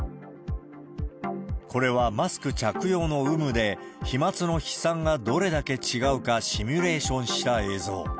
これはマスク着用の有無で、飛まつの飛散がどれだけ違うかシミュレーションした映像。